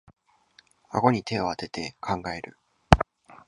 あごに手をあてて考える